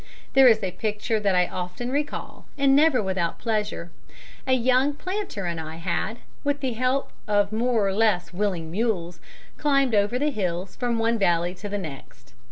There is a picture that I often recall, and never without pleasure. A young planter and I had, with the help of more or less willing mules, climbed over the hills from one valley to the next.